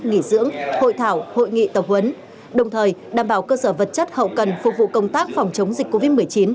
nghỉ dưỡng hội thảo hội nghị tập huấn đồng thời đảm bảo cơ sở vật chất hậu cần phục vụ công tác phòng chống dịch covid một mươi chín